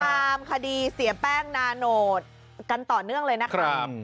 ตามคดีเสียแป้งนาโนตกันต่อเนื่องเลยนะครับ